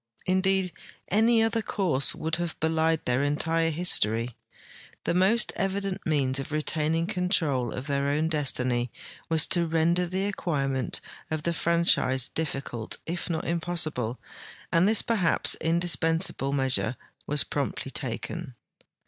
Indeed, any other course would have belied their entire history. The most evident means of retaining control of their own destiny was to render the acquirement of the franchise difficult if not impossible, and this perhaps indispensable measure was promptly taken.